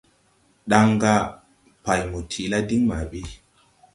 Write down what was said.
Ɗaŋ: « Pay mo tiʼ la diŋ ma ɓi.